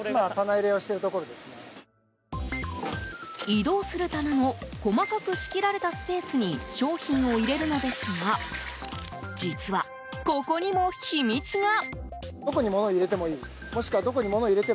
移動する棚の細かく仕切られたスペースに商品を入れるのですが実は、ここにも秘密が。